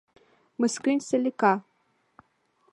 Мыскынь Салика.